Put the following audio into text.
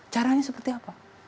caranya seperti apa